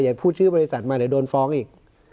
พูดชื่อบริษัทมาเดี๋ยวโดนฟ้องอีก